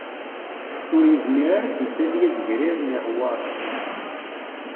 Ur yezmir ara ad d-isali azegrir n iɣewwaṛen